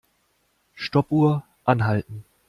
Stoppuhr anhalten.